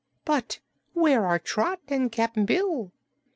But where are Trot and Cap'n Bill?"